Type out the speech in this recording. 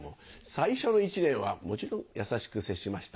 最初の１年はもちろん優しく接しました。